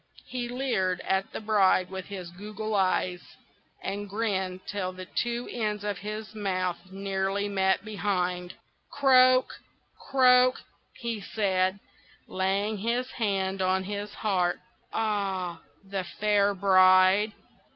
He leered at the bride with his goggle eyes, and grinned till the two ends of his mouth nearly met behind. "Croak! croak!" he said, laying his hand on his heart. "Ah! the fair bride!